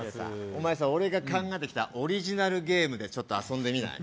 お前さ俺が考えてきたオリジナルゲームでちょっと遊んでみない？